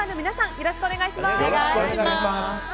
よろしくお願いします。